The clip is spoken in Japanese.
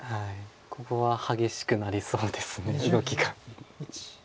ここは激しくなりそうです動きが。